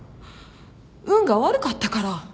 運が悪かったから。